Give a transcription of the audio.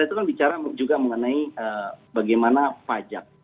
bagaimana mungkin ada satu konsep orang yang bertindak sebagai kepala daerah